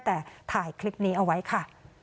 แต่ถ่ายคลิปนี้เอาไว้ค่ะ